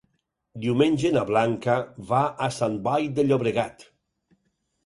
Diumenge na Blanca va a Sant Boi de Llobregat.